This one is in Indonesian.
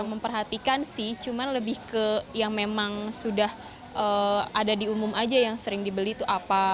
memperhatikan sih cuma lebih ke yang memang sudah ada di umum aja yang sering dibeli itu apa